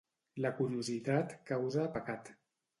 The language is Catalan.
La curiositat causa pecat.